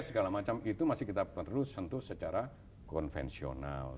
segala macam itu masih kita terus sentuh secara konvensional